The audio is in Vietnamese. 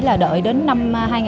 là đợi đến năm hai nghìn một mươi tám